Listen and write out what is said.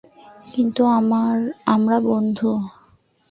কিন্তু আমরা বন্ধু।